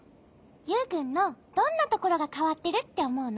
ユウくんのどんなところがかわってるっておもうの？